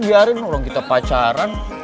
biarin orang kita pacaran